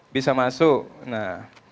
bisa masuk nah